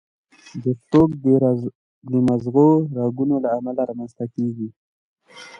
د سټروک د مغز رګونو له امله رامنځته کېږي.